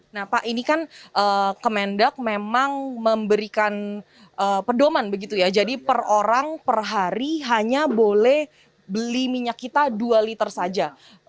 nah pak ini kan kemendak memang memberikan pedoman begitu ya jadi per orang per hari hanya boleh beli minyak kita dua liter saja